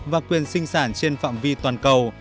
và quyền sinh sản trên phạm vi toàn cầu